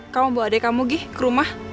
kamu bawa adek kamu gi ke rumah